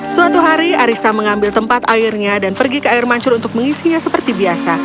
suatu hari arissa mengambil tempat airnya dan pergi ke air mancur untuk mengisinya seperti biasa